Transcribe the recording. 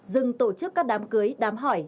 dừng tổ chức các đám cưới đám hỏi